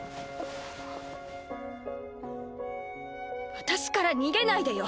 私から逃げないでよ。